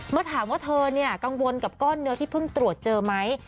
เมื่อถามว่าเธอกังวลกับก้อนเนื้อที่เพิ่งตรวจเจอไหม